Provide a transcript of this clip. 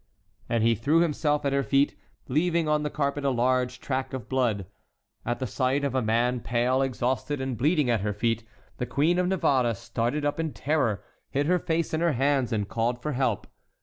And he threw himself at her feet, leaving on the carpet a large track of blood. At the sight of a man pale, exhausted, and bleeding at her feet, the Queen of Navarre started up in terror, hid her face in her hands, and called for help.